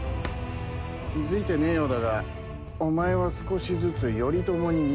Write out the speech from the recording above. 気付いてねえようだがお前は少しずつ頼朝に似てきているぜ。